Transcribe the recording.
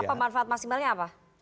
apa manfaat maksimalnya apa